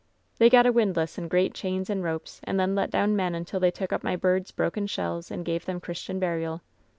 They got a wind lass and great chains and ropes, and then let down men and they took up my birds' broken shells and gave them Christian burial.